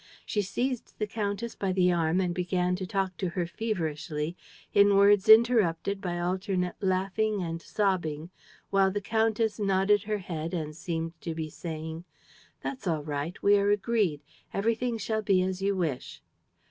She seized the countess by the arm and began to talk to her feverishly, in words interrupted by alternate laughing and sobbing, while the countess nodded her head and seemed to be saying: "That's all right. ... We are agreed. ... Everything shall be as you wish.